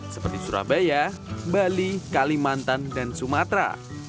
seperti surabaya bali kalimantan dan sumatera